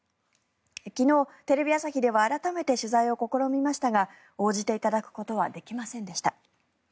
昨日、テレビ朝日では改めて取材を試みましたが応じていただくことはできませんでした。